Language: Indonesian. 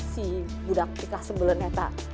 si budak pika sebelen nek